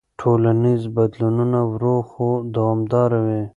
ټولنیز بدلونونه ورو خو دوامداره وي.